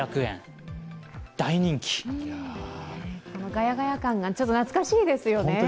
ガヤガヤ感がちょっと懐かしいですよね。